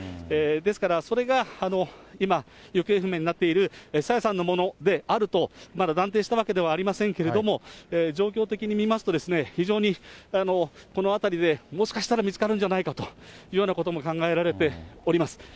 ですから、それが今、行方不明になっている朝芽さんのものであると、まだ断定したわけではありませんけれども、状況的に見ますと、非常にこの辺りで、もしかしたら見つかるんじゃないかというようなことも考えられております。